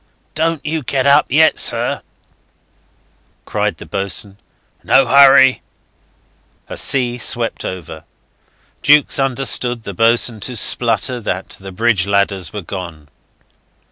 "Don't you get up yet, sir," cried the boatswain. "No hurry!" A sea swept over. Jukes understood the boatswain to splutter that the bridge ladders were gone.